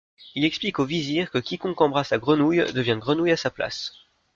Il explique au vizir que quiconque embrasse la grenouille devient grenouille à sa place.